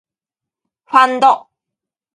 ファンド